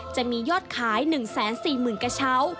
จะมียอดขาย๑๔๐๐๐กระเช้า